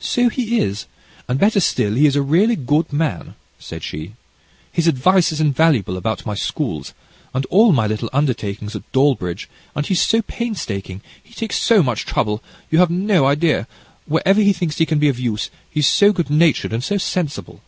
"So he is, and, better still, he is a really good man," said she. "His advice is invaluable about my schools, and all my little undertakings at Dawlbridge, and he's so painstaking, he takes so much trouble you have no idea wherever he thinks he can be of use: he's so good natured and so sensible."